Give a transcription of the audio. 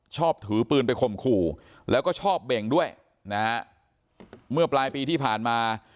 ชอบถือปืนไปข่มขู่แล้วก็ชอบเบ่งด้วยนะฮะเมื่อปลายปีที่ผ่านมา